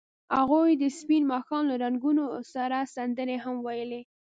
هغوی د سپین ماښام له رنګونو سره سندرې هم ویلې.